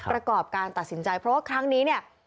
ประกอบการตัดสินใจเพราะว่าครั้งนี้เนี่ย